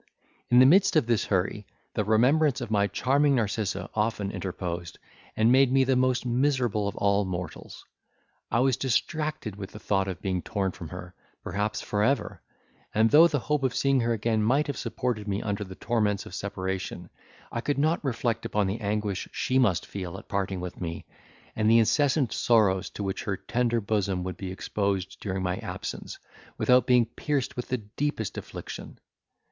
In the midst of this hurry, the remembrance of my charming Narcissa often interposed, and made me the most miserable of all mortals. I was distracted with the thought of being torn from her, perhaps for ever; and though the hope of seeing her again might have supported me under the torments of separation, I could not reflect upon the anguish she must feel at parting with me, and the incessant sorrows to which her tender bosom would be exposed during my absence, without being pierced with the deepest affliction!